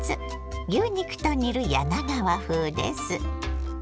牛肉と煮る柳川風です。